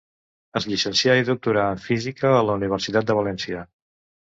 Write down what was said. Es llicencià i doctorà en Física a la Universitat de València.